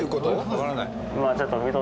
わからない。